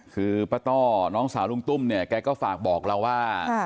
คือป้าต้อน้องสาวลุงตุ้มเนี่ยแกก็ฝากบอกเราว่า